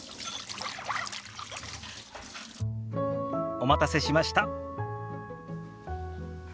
お待たせしました。